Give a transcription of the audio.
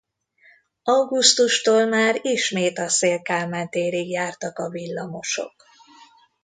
Augusztustól már ismét a Széll Kálmán térig jártak a villamosok.